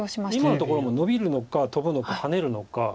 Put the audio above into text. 今のところもノビるのかトブのかハネるのか。